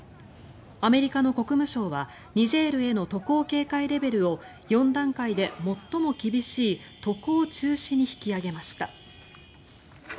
アメリカの国務省はニジェールへの渡航警戒レベルを４段階で最も厳しい渡航中止に引き上げました。